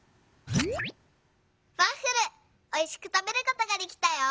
「ワッフルおいしくたべることができたよ！